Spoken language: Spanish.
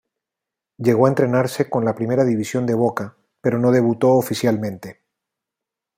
Llegó a entrenarse con la primera división de Boca, pero no debutó oficialmente.